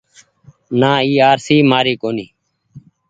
نآ اي آرسي مآري ڪونيٚ ۔